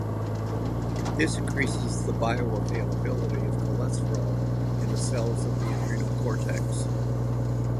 This increases the bioavailability of cholesterol in the cells of the adrenal cortex.